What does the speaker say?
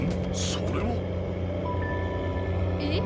それは？えっ！？